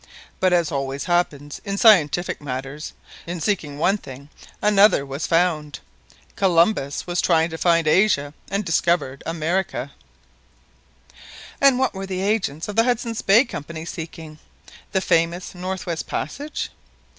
But as always happens in scientific matters, in seeking one thing, another was found. Columbus was trying to find Asia, and discovered America." "And what were the agents of the Hudson's Bay Company seeking? The famous North West Passage?"